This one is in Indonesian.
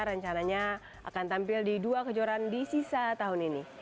rencananya akan tampil di dua kejuaraan di sisa tahun ini